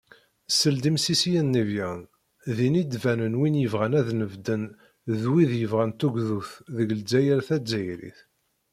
Seld imsisiyen n Evian, din i d-banen wid yebɣan ad nebḍen d wid yebɣan tugdut deg Lezzayer tazzayrit.